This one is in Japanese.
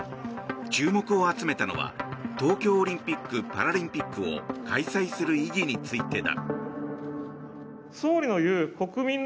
注目を集めたのは東京オリンピック・パラリンピックを開催する意義についてだ。